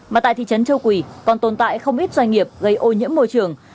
mà tại thị trấn châu quỳ còn tồn tại không ít doanh nghiệp gây ô nhiễm môi trường